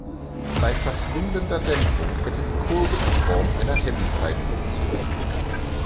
Bei verschwindender Dämpfung hätte die Kurve die Form einer Heaviside-Funktion.